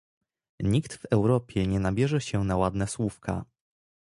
Nikt w Europie nie nabierze się na ładne słówka